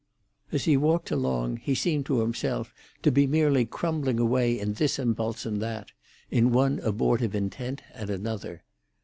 As he walked along, he seemed to himself to be merely crumbling away in this impulse and that, in one abortive intent and another.